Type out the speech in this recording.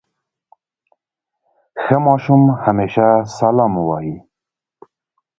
ښه ماشوم همېشه سلام وايي.